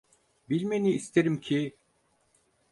Bilmeni isterim ki…